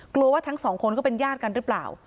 กลัวว่าทั้งสองคนก็เป็นญาติกันหรือเปล่า